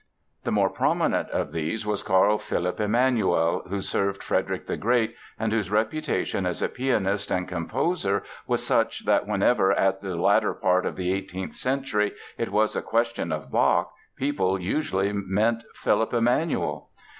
The more prominent of these was Carl Philipp Emanuel, who served Frederick the Great and whose reputation as a pianist and composer was such that, whenever in the latter part of the eighteenth century, it was a question of Bach, people usually meant Philipp Emanuel.